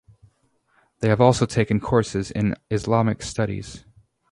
They have also taken courses in Islamic studies.